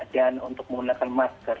dan untuk menggunakan masker